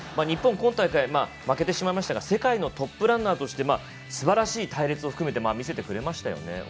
日本、今大会負けてしまいましたが世界のトップランナーとしてすばらしい隊列を含めて見せてくれましたよね。